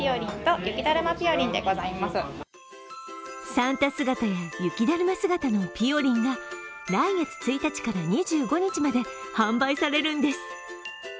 サンタ姿や雪だるま姿のぴよりんが来月１日から２５日まで販売されるんです。